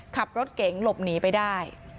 ขับรถเก๋งหลบหนีไปได้